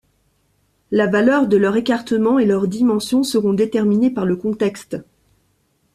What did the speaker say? La valeur de leur écartement et leurs dimensions seront déterminées par le contexte.